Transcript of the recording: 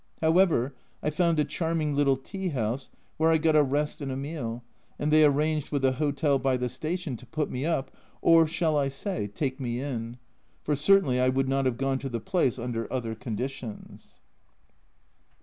However, I found a charming little tea house, where I got a rest and a meal, and they arranged with a hotel by the station to put me up, or shall I say "take me in"? for certainly I would not have gone to the place under other conditions.